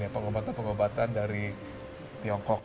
pengobatan pengobatan dari tiongkok